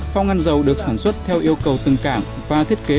phong ngăn dầu được sản xuất theo yêu cầu từng cảng và thiết kế